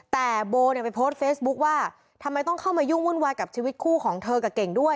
แต่โบเนี่ยไปโพสต์เฟซบุ๊คว่าทำไมต้องเข้ามายุ่งวุ่นวายกับชีวิตคู่ของเธอกับเก่งด้วย